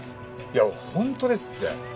いや本当ですって。